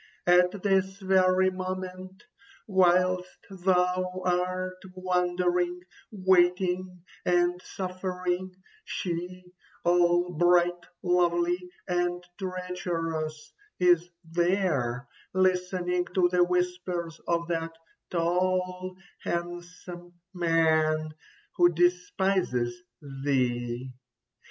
At this very moment whilst thou art wandering, waiting, and suffering, she, all bright, lovely, and treacherous, is there, listening to the whispers of that tall, handsome man, who despises thee.